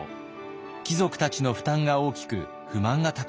貴族たちの負担が大きく不満が高まっていました。